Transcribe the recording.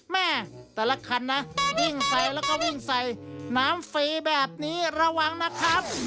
แม่แต่ละคันนะวิ่งใส่แล้วก็วิ่งใส่น้ำฟรีแบบนี้ระวังนะครับ